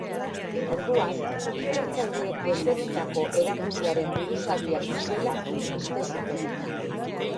Orduan, ikertzaileek desegindako erakundearen buruzagiak zirela uste zuten.